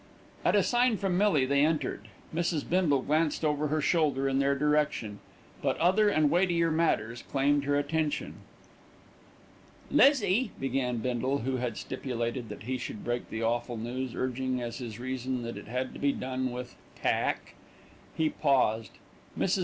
At a sign from Millie, they entered. Mrs. Bindle glanced over her shoulder in their direction; but other and weightier matters claimed her attention. "Lizzie," began Bindle, who had stipulated that he should break the awful news, urging as his reason that it had to be done with "tack." He paused. Mrs.